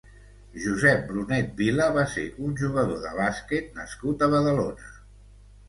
Josep Brunet Vila va ser un jugador de bàsquet nascut a Badalona.